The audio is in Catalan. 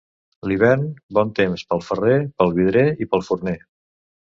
L'hivern, bon temps pel ferrer, pel vidrier i pel forner.